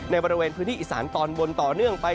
บริเวณพื้นที่อีสานตอนบนต่อเนื่องไป